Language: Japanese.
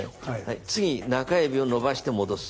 次中指を伸ばして戻す。